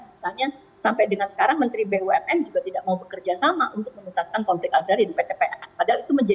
misalnya sampai dengan sekarang menteri bumn tidak mau bekerja sama untuk menutaskan konflik agraria di ptpn